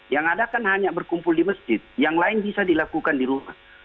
yang ada kan hanya berkumpul di masjid yang lain bisa dilakukan di rumah